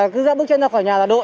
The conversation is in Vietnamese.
cứ ra bước chân ra khỏi nhà là đội